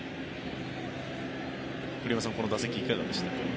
栗山さん、この打席はいかがでしたか？